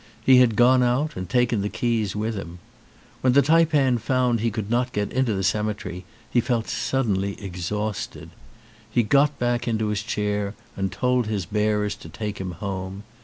He had gone out and taken the keys with him. When the taipan found he could not get into the cemetery he felt suddenly exhausted. He got back into his chair and told his bearers to take him home.